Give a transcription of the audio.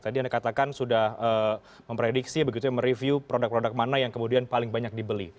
tadi anda katakan sudah memprediksi begitu ya mereview produk produk mana yang kemudian paling banyak dibeli